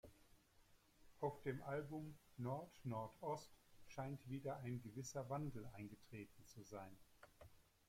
Auf dem Album "Nord Nord Ost" scheint wieder ein gewisser Wandel eingetreten zu sein.